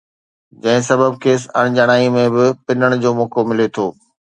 جنهن سبب کيس اڻڄاڻائيءَ ۾ به پنڻ جو موقعو ملي ٿو